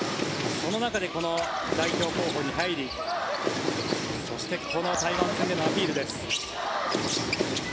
その中でこの代表候補に入りそして、この台湾戦でもアピールです。